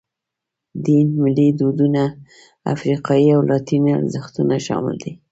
دین، ملي دودونه، افریقایي او لاتیني ارزښتونه شامل دي.